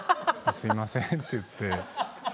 すいませんって言って。